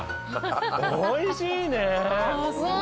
おいしいね。